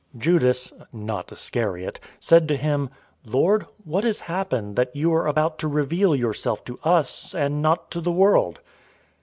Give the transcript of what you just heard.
014:022 Judas (not Iscariot) said to him, "Lord, what has happened that you are about to reveal yourself to us, and not to the world?"